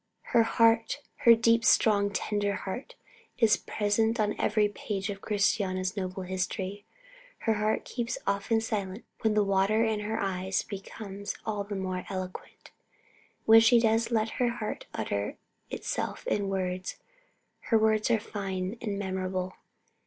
Her heart, her deep, strong, tender heart, is present on every page of Christiana's noble history. Her heart keeps her often silent when the water in her eyes becomes all the more eloquent. When she does let her heart utter itself in words, her words are fine and memorable.